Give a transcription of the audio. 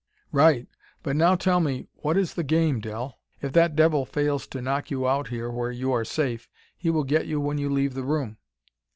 "Right! But now tell me what is the game, Del. If that devil fails to knock you out here where you are safe, he will get you when you leave the room."